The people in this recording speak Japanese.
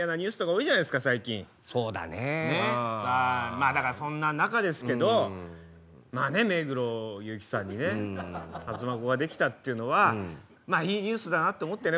まあだからそんな中ですけどまあね目黒祐樹さんにね初孫ができたっていうのはまあいいニュースだなと思ってね